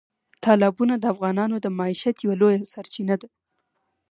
تالابونه د افغانانو د معیشت یوه لویه سرچینه ده.